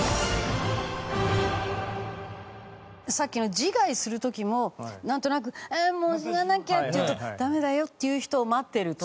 さっきの自害する時もなんとなく「ああもう死ななきゃ」っていうと「ダメだよ」っていう人を待ってるとか。